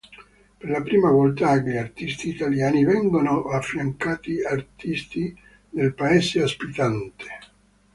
Per la prima volta agli artisti italiani vengono affiancati artisti del paese ospitante.